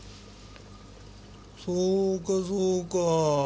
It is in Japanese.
そうかそうかぁ。